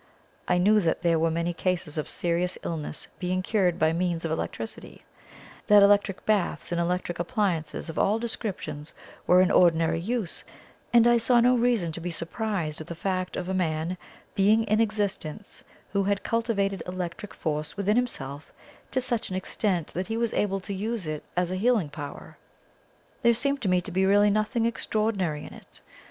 I knew that there were many cases of serious illnesses being cured by means of electricity that electric baths and electric appliances of all descriptions were in ordinary use; and I saw no reason to be surprised at the fact of a man being in existence who had cultivated electric force within himself to such an extent that he was able to use it as a healing power. There seemed to me to be really nothing extraordinary in it.